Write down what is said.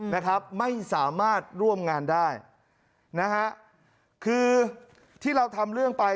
นะครับไม่สามารถร่วมงานได้นะฮะคือที่เราทำเรื่องไป